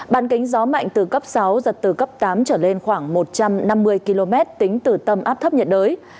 bàn kính gió mạnh từ cấp sáu giật từ cấp tám trở lên khoảng một trăm năm mươi km tính từ tâm áp thấp nhiệt đới